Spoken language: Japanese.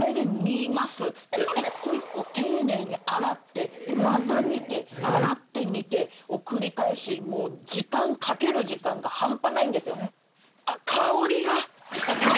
一個一個丁寧に洗ってまた煮て洗って煮てを繰り返しかける時間が半端ないんですよ。